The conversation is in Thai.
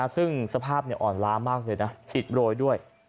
ซึ่งสภาพอ่อนล้ามากเลยนะอิดโรยด้วย